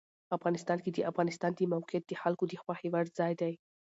افغانستان کې د افغانستان د موقعیت د خلکو د خوښې وړ ځای دی.